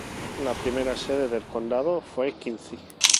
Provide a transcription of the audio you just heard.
La primera sede del condado fue Quincy.